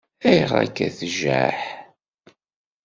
Ayɣer akka i tjaḥ?